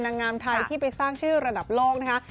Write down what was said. นางงามไทยที่ไปสร้างชื่อระดับโลกนะคะ